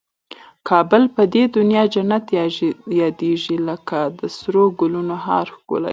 کابل په دي دونیا جنت یادېږي لکه د سرو ګلنو هار ښکلی دی